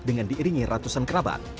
dengan diiringi ratusan kerabat